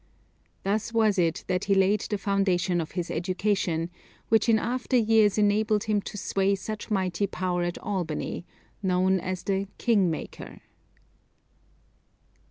Thus was it that he laid the foundation of his education, which in after years enabled him to sway such mighty power at Albany; known as the "king maker."